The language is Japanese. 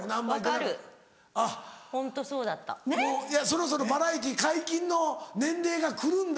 そろそろバラエティー解禁の年齢が来るんだ。